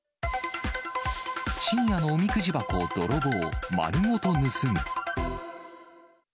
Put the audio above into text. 深夜のおみくじ箱泥棒、丸ごと盗む。